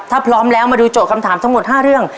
ถ้าพร้อมแล้วมาดูโจทย์คำถามทั้งหมด๕เรื่อง